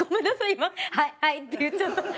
今はいはいって言っちゃった。